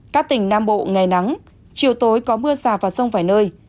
các tỉnh nam bộ ngày nắng chiều tối có mưa rào và rông vài nơi